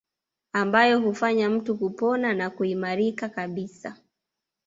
Ambayo hufanya mtu kupona na kuimarika kabisa